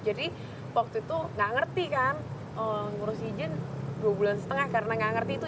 jadi waktu itu gak ngerti kan ngurus izin dua bulan setengah karena gak ngerti itu